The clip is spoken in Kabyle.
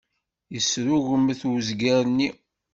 Yesrugmet uzger-nni.